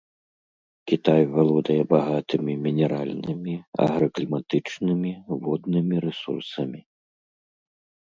Кітай валодае багатымі мінеральнымі, агракліматычнымі, воднымі рэсурсамі.